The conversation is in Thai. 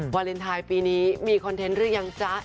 วาเลนไทยปีนี้มีคอนเทนต์หรือยังจ๊ะ